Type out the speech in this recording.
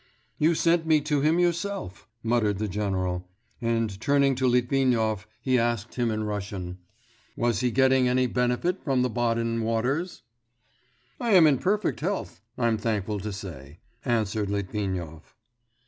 'You sent me to him yourself,' muttered the general, and turning to Litvinov he asked him in Russian, 'Was he getting any benefit from the Baden waters?' 'I am in perfect health, I'm thankful to say,' answered Litvinov.